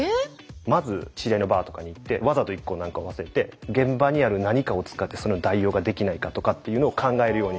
まず知り合いのバーとかに行ってわざと１個何かを忘れて現場にある何かを使ってその代用ができないかとかっていうのを考えるように。